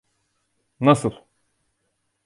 Nasıl?